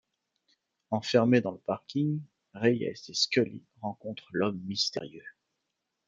Enfermées dans le parking, Reyes et Scully rencontrent l'homme mystérieux.